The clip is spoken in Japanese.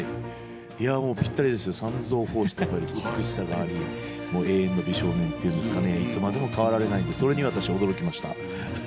もうぴったりですよ、三蔵法師って美しさがあり、もう永遠の美少年というんですかね、いつまでも変わられないんで、それにも私、驚きました。